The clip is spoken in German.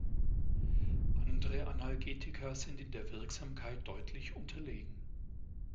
Andere Analgetika sind in der Wirksamkeit deutlich unterlegen.